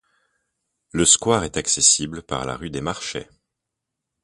Le square est accessible par la rue des Marchais.